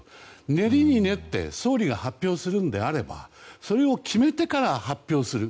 練りに練って総理が発表するんであればそれを決めてから発表する。